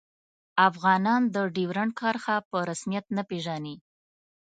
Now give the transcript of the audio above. افغانان د ډیورنډ کرښه په رسمیت نه پيژني